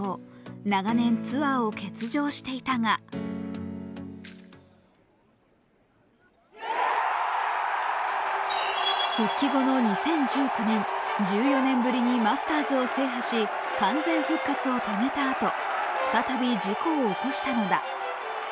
長年ツアーを欠場していたが復帰後の２０１４年、１４年ぶりにマスターズを制覇し完全復活を遂げたあと再び、事故を起こしたのだ。